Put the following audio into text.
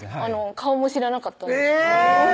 顔も知らなかったです